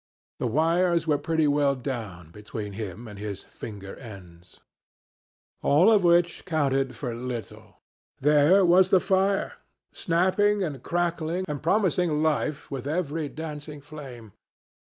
The wires were pretty well down between him and his finger ends. All of which counted for little. There was the fire, snapping and crackling and promising life with every dancing flame.